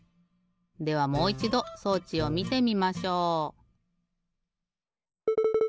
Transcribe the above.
ではもういちど装置をみてみましょう！